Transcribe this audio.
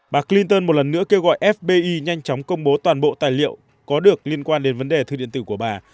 bà clinton một lần nữa kêu gọi fbi nhanh chóng công bố toàn bộ tài liệu có được liên quan đến vấn đề thư điện tử của bà